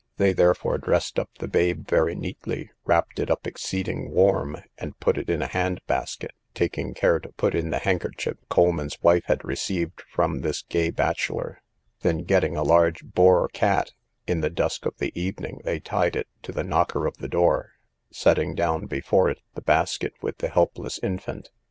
They therefore dressed up the babe very neatly, wrapped it up exceeding warm, and put it in a hand basket, taking care to put in the handkerchief Coleman's wife had received from this gay bachelor; then getting a large boar cat, in the dusk of the evening they tied it to the knocker of the door, setting down before it the basket with the helpless infant.